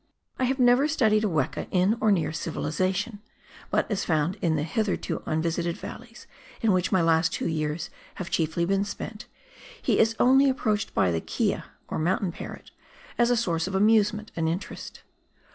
I have never studied a weka in or near civilisation, but as found in the hitherto unvisited valleys, in which my last two years have chiefly been spent, he is only approached by the kea (or mountain parrot) as a source of amusement and interest.